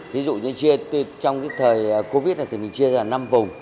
ví dụ như trong cái thời covid này thì mình chia ra năm vùng